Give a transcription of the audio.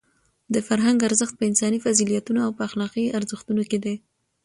د فرهنګ ارزښت په انساني فضیلتونو او په اخلاقي ارزښتونو کې دی.